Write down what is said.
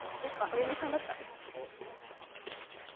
やっぱお嫁さんだった？